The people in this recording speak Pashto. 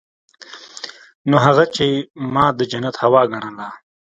نو هغه چې ما د جنت هوا ګڼله.